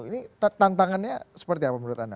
ini tantangannya seperti apa menurut anda